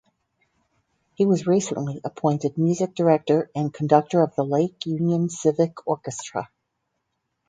He was recently appointed Music Director and Conductor of the Lake Union Civic Orchestra.